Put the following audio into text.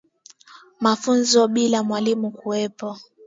Mafunzo bila ya mwalimu kuwepo